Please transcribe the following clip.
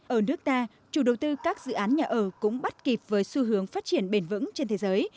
ở nước ta chủ đầu tư các dự án nhà ở cũng bắt kịp với xu hướng phát triển bền vững trên thế giới